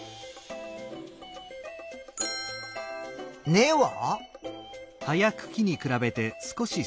根は？